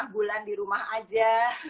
dua lima bulan di rumah aja